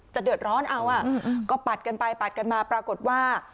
เดือดร้อนเอาอ่ะก็ปัดกันไปปัดกันมาปรากฏว่า